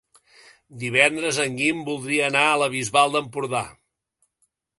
Divendres en Guim voldria anar a la Bisbal d'Empordà.